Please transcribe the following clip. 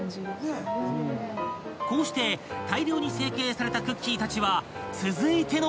［こうして大量に成形されたクッキーたちは］